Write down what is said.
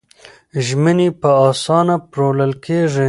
ژمنې په اسانه پلورل کېږي.